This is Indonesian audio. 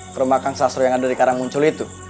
ke rumah kang sasro yang ada di karang muncul itu